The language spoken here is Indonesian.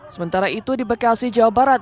sementara itu di bekasi jawa barat